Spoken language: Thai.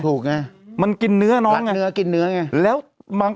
ถูกไงมันกินเนื้อน้องเนื้อกินเนื้อไงแล้วบาง